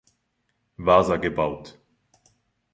Wasa gebaut.